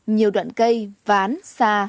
nhiều đoạn cây ván xà